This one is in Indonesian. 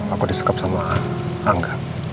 aku disekap sama angga